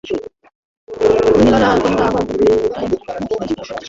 মহিলারা, তোমরা আমার প্রত্যেকটা ইঞ্চি পরিষ্কার করেছ।